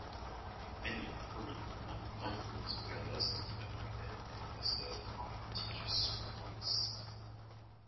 Many prominent members were lost, among them professors and Titus Brandsma.